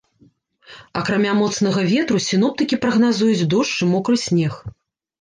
Акрамя моцнага ветру, сіноптыкі прагназуюць дождж і мокры снег.